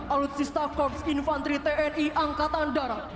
alutsista korps infanteri tni angkatan darat